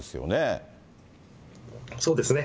そうですね。